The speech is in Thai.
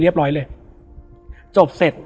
แล้วสักครั้งหนึ่งเขารู้สึกอึดอัดที่หน้าอก